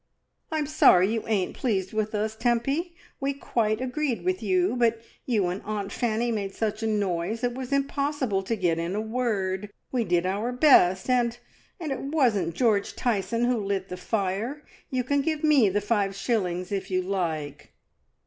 "Fm sorry you ain't pleased with us, Tempy. We quite agreed with you, but you and Aunt Fanny made such a noise it was impossible to get in a word. We did our best, and — and — it wasn't George Tyson who lit the fire. You can give me the five shillings if you like."